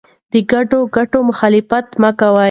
د ګډو ګټو مخالفت مه کوه.